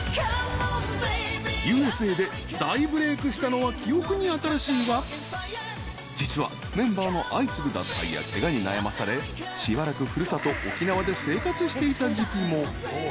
［『Ｕ．Ｓ．Ａ．』で大ブレークしたのは記憶に新しいが実はメンバーの相次ぐ脱退やケガに悩まされしばらく古里沖縄で生活していた時期も］